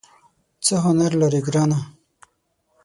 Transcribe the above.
څه هنر لرې ګرانه ؟